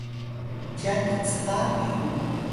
cyan kcka biru